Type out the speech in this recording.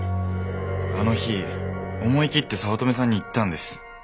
あの日思い切って早乙女さんに言ったんです。